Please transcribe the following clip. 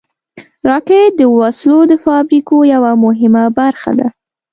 راکټ د وسلو د فابریکو یوه مهمه برخه ده